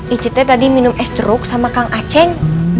icet teh tadi minum es jeruk sama kang aceh